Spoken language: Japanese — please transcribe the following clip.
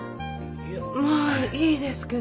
いやまあいいですけど。